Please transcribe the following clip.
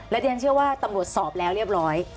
เรียนเชื่อว่าตำรวจสอบแล้วเรียบร้อย